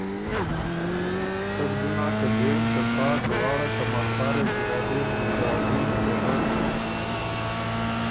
څۀ بو ځُونه که ځېم ته تاک غاړه کمرسارئ ګېرډ اِر ګلزادین او رټ